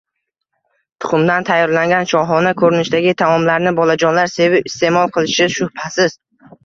Tuxumdan tayyorlangan shohona ko‘rinishdagi taomlarni bolajonlar sevib iste’mol qilishi shubhasiz